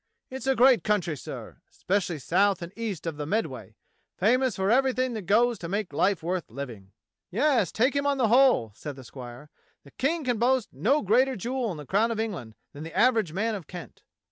It's a great country, sir, expecially south and east of the Med way; famous for everything that goes to make life worth living." "Yes, take him on the whole," said the squire, "the King can boast of no greater jewel in the crown of England than the average man of Kent."